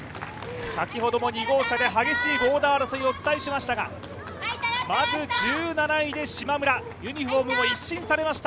先ほども２号車で激しいボーダー争いをお伝えしましたがまず１７位でしまむら、ユニフォームも一新されました。